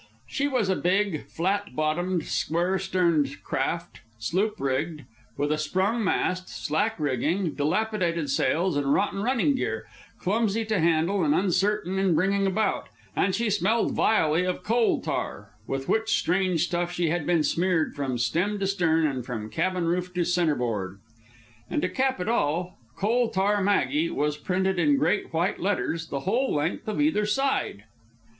She was a big, flat bottomed, square sterned craft, sloop rigged, with a sprung mast, slack rigging, dilapidated sails, and rotten running gear, clumsy to handle and uncertain in bringing about, and she smelled vilely of coal tar, with which strange stuff she had been smeared from stem to stern and from cabin roof to centreboard. And to cap it all, Coal Tar Maggie was printed in great white letters the whole length of either side.